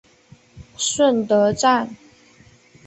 顺德站